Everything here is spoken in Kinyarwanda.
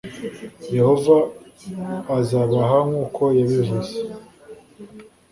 yehova azabaha nk'uko yabivuze